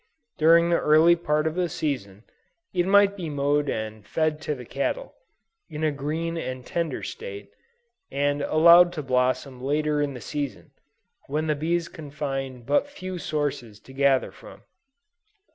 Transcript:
During the early part of the season, it might be mowed and fed to the cattle, in a green and tender state, and allowed to blossom later in the season, when the bees can find but few sources to gather from.